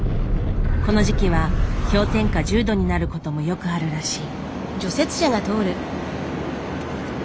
この時期は氷点下１０度になることもよくあるらしい。